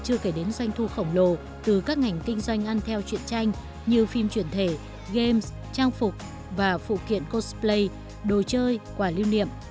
chưa kể đến doanh thu khổng lồ từ các ngành kinh doanh ăn theo truyện tranh như phim truyền thể games trang phục và phụ kiện cosplay đồ chơi quả lưu niệm